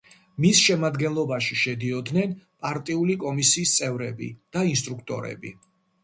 მის შემადგენლობაში შედიოდნენ პარტიული კომისიის წევრები და ინსტრუქტორები.